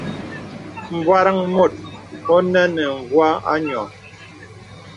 M̀bwarəŋ mùt ɔ̀nə nə vyɔ̀ a nyɔ̀.